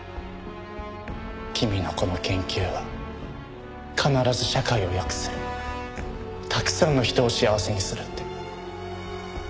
君のこの研究は必ず社会を良くするたくさんの人を幸せにするって。